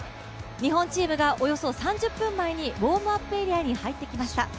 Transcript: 日本チームがおよそ３０分前にウォームアップエリアに入ってきました。